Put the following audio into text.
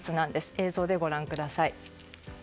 映像でご覧下さい。